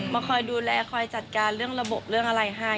มาคอยดูแลคอยจัดการเรื่องระบบเรื่องอะไรให้